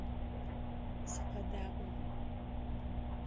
Сыкъэдаӏо.